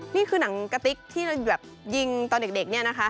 นี่คือหนังกะติ๊กที่แบบยิงตอนเด็กเนี่ยนะคะ